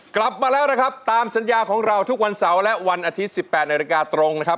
กลับมาแล้วนะครับตามสัญญาของเราทุกวันเสาร์และวันอาทิตย์๑๘นาฬิกาตรงนะครับ